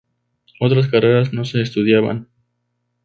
Otras carreras no se estudiaban.